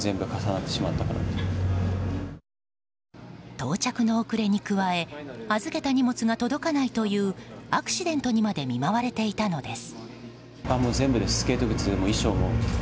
到着の遅れに加え預けた荷物が届かないというアクシデントにまで見舞われていたのです。